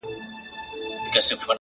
هره ورځ د نوې نسخې جوړولو فرصت دی!